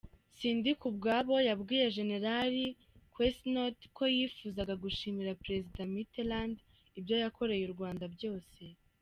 Sindikubwabo yabwiye Jenerali Quesnot ko yifuzaga gushimira Perezida Mitterrand ibyo yakoreye u Rwanda byose.